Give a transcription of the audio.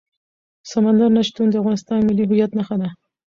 سمندر نه شتون د افغانستان د ملي هویت نښه ده.